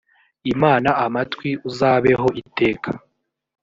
imana amatwi uzabeho iteka